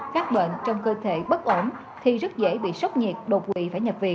các bệnh trong cơ thể bất ổn thì rất dễ bị sốc nhiệt đột quỵ phải nhập viện